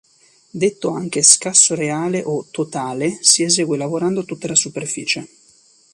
Detto anche "scasso reale" o "totale", si esegue lavorando tutta la superficie.